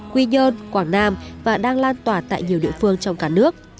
quy nhơn quảng nam và đang lan tỏa tại nhiều địa phương trong cả nước